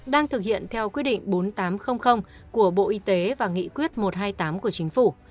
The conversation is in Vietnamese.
đang thực hiện theo quyết định bốn nghìn tám trăm linh của bộ y tế và nghị quyết một trăm hai mươi tám của chính phủ